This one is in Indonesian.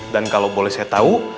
dan kalau boleh saya tahu